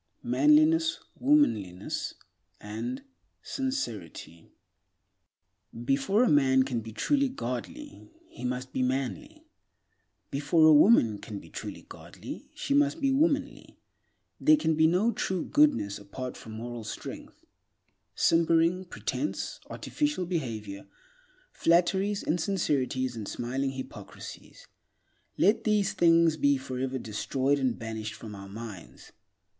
Manliness, Womanliness and Sincerity BEFORE A MAN CAN BE TRULY GODLY, he must be manly; before a woman can be truly godly, she must be womanly. There can be no true goodness apart from moral strength. Simpering, pretense, artificial behavior, flatteries, insincerities and smiling hypocrisies—let these things be forever destroyed and banished from our minds.